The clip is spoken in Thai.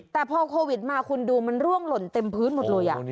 แต่พอโควิดมาคุณดูมันร่วงหล่นเต็มพื้นหมดเลย